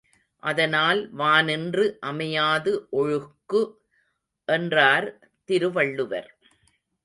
அதனால் வானின்று அமையாது ஒழுக்கு என்றார் திருவள்ளுவர்.